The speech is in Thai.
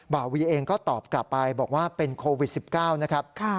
บาวีเองก็ตอบกลับไปบอกว่าเป็นโควิด๑๙นะครับ